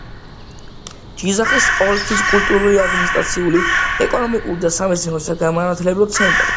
ჯიზახის ოლქის კულტურული, ადმინისტრაციული, ეკონომიკური და სამეცნიერო-საგანმანათლებლო ცენტრი.